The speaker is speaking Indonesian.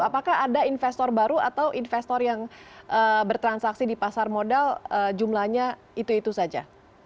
apakah ada investor baru atau investor yang bertransaksi di pasar modal jumlahnya itu itu saja